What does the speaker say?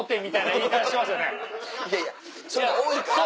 いやいや多いから。